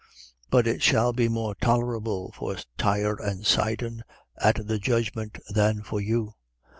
10:14. But it shall be more tolerable for Tyre and Sidon at the judgment than for you.